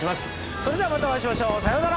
それではまたお会いしましょう。さようなら！